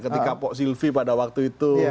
ketika pak silvi pada waktu itu